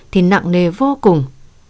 thì nặng nề vô cùng